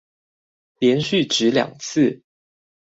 連續擲兩次